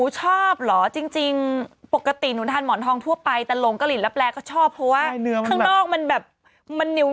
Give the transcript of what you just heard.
ใช่ตลาดสดพระราม๔ตั้งแต่สนามเป้าจนมาพระราม๔